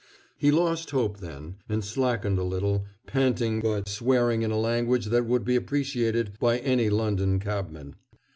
He lost hope then, and slackened a little, panting but swearing in a language that would be appreciated by any London cabman.